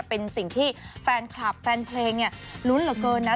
เป็นสิ่งที่แฟนคลับแฟนเพลงเนี่ยลุ้นเหลือเกินนะ